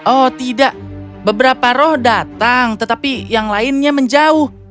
oh tidak beberapa roh datang tetapi yang lainnya menjauh